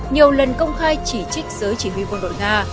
nhiều lần công khai chỉ trích giới chỉ huy quân đội nga